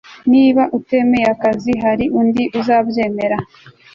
Niba atemeye akazi hari undi uzabyemera